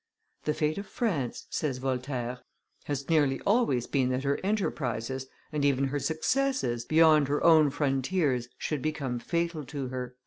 "The fate of France," says Voltaire, "has nearly always been that her enterprises, and even her successes, beyond her own frontiers should become fatal to her."